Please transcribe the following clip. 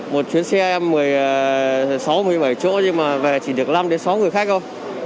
một chuyến xe một mươi sáu một mươi bảy chỗ nhưng mà về chỉ được năm đến sáu người khách thôi